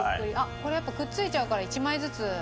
これやっぱくっついちゃうから１枚ずつ。